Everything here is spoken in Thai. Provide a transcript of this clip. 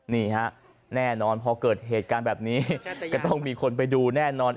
นี่ฮะแน่นอนพอเกิดเหตุการณ์แบบนี้ก็ต้องมีคนไปดูแน่นอน